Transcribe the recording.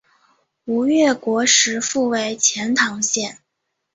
吴越国时复为钱唐县。